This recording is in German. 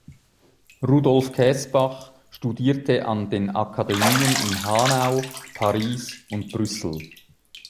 Rudolf Kaesbach studierte an den Akademien in Hanau, Paris und Brüssel.